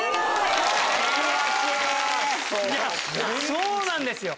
そうなんですよ。